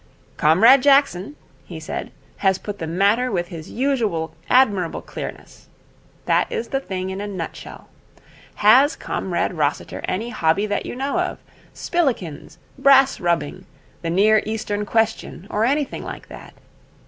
'Comrade Jackson,' he said, 'has put the matter with his usual admirable clearness. That is the thing in a nutshell. Has Comrade Rossiter any hobby that you know of? Spillikins, brass rubbing, the Near Eastern Question, or anything like that?